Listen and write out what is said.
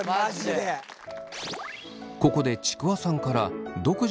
ここでちくわさんからハハハハ！